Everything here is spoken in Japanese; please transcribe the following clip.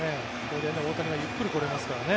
大谷がゆっくり来れますからね。